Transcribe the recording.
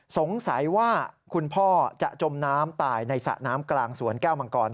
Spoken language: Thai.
สงสัยว่าคุณพ่อจะจมน้ำตายในสระน้ำกลางสวนแก้วมังกร